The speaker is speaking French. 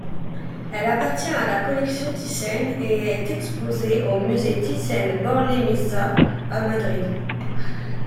Elle appartient à la Collection Thyssen et est exposée au Musée Thyssen-Bornemisza à Madrid.